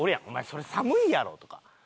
お前それ寒いやろとか。